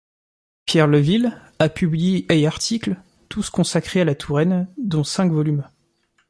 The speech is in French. Pierre Leveel a publié et articles, tous consacrés à la Touraine, dont cinq volumes.